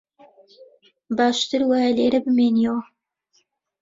باشتر وایە لێرە بمێنییەوە